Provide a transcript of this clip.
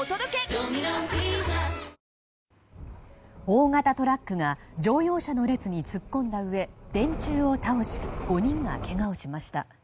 大型トラックが乗用車の列に突っ込んだうえ電柱を倒し５人がけがをしました。